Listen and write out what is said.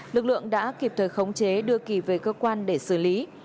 lực lượng đã kịp thời khống chế đưa kỳ về cơ quan để xử lý